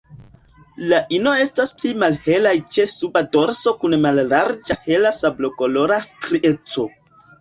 La ino estas pli malhelaj ĉe suba dorso kun mallarĝa hela sablokolora strieco.